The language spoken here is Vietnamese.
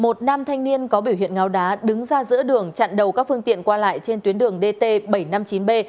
một nam thanh niên có biểu hiện ngáo đá đứng ra giữa đường chặn đầu các phương tiện qua lại trên tuyến đường dt bảy trăm năm mươi chín b